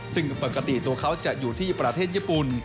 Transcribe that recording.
ซึ่งปกติตัวเขาจะอยู่ที่ประเทศญี่ปุ่น